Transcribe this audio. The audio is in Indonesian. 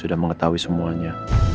bukannya hanya insyaratnya